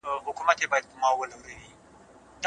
جنګونه یوازې وراني او مرګ راوړي.